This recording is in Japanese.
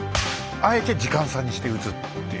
あえて時間差にして撃つっていう。